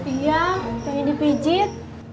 iya pengen dipijit